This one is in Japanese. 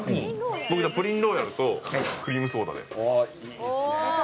プリンローヤルとクリームソいいですね。